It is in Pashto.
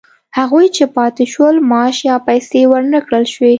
هغوی چې پاتې شول معاش یا پیسې ورنه کړل شوې